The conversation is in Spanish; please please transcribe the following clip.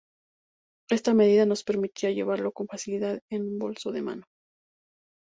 Esta medida nos permitiría llevarlo con facilidad en un bolso de mano.